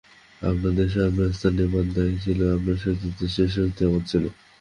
আপন দেশে আপন স্থান নেবার দায় ছিল আপন শক্তিতেই, সে শক্তি আমার ছিল।